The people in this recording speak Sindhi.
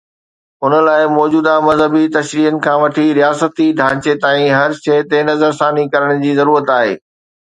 ان لاءِ موجوده مذهبي تشريحن کان وٺي رياستي ڍانچي تائين هر شيءِ تي نظرثاني ڪرڻ جي ضرورت آهي.